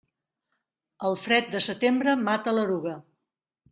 El fred de setembre mata l'eruga.